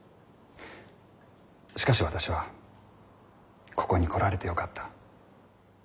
しかし私はここに来られてよかった。